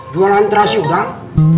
jualan terasi sudah